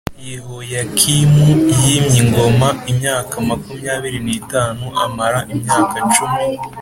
Yehoyakimu f yimye ingoma a te imyaka makumyabiri n itanu amara imyaka cumi